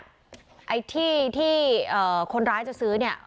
ไอ้ที่ที่คนร้ายจะซื้อเนี่ย